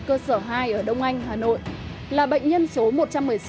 cơ sở hai ở đông anh hà nội là bệnh nhân số một trăm một mươi sáu